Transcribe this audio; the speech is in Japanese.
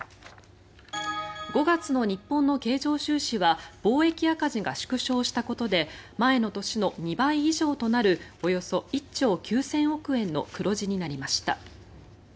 ５月の日本の経常収支は貿易赤字が縮小したことで前の年の２倍以上となるおよそ１兆９０００億円の黒字になりました。